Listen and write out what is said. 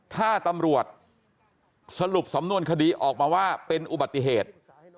ถ้าตำรวจสรุปสำนวนคดีออกมาว่าเป็นอุบัติเหตุ